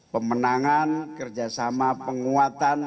pemenangan kerjasama penguatan